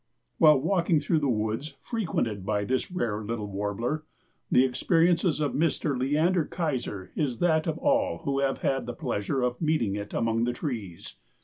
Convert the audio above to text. While walking through woods frequented by this rare little warbler the experiences of Mr. Leander Keyser is that of all who have had the pleasure of meeting it among the trees.